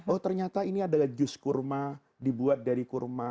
oh ternyata ini adalah jus kurma dibuat dari kurma